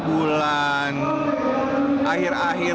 dan akhir akhir dua ribu enam belas